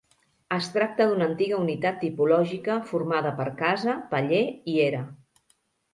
Es tracta d'una antiga unitat tipològica formada per casa, paller i era.